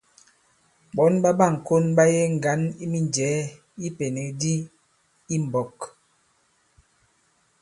Ɓɔ̌n ɓa ɓâŋkon ɓa yege ŋgǎn i minjɛ̀ɛ i ipènèk di i mbɔ̄k.